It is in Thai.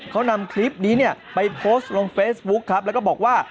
เขานำคลิปนี้เนี่ยไปโพสต์ลงเฟซบุ๊คครับแล้วก็บอกว่า